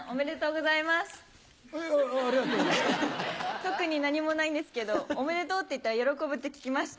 特に何もないんですけどおめでとうって言ったら喜ぶって聞きました。